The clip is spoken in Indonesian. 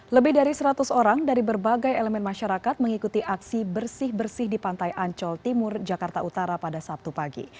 lebih dari seratus orang dari berbagai elemen masyarakat mengikuti aksi bersih bersih di pantai ancol timur jakarta utara pada sabtu pagi